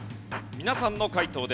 皆さんの解答です。